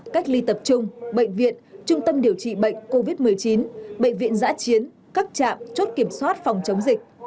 cách ly tập trung bệnh viện trung tâm điều trị bệnh covid một mươi chín bệnh viện giã chiến các trạm chốt kiểm soát phòng chống dịch